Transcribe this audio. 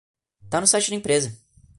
Tá no site da empresa